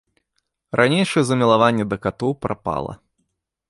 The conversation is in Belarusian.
Ранейшае замілаванне да катоў прапала.